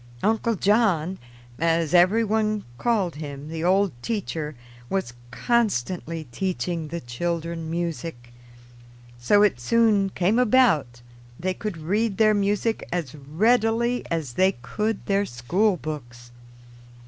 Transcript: "Uncle John," as every one called him, the old teacher, was constantly teaching the children music; so it soon came about they could read their music as readily as they could their school books.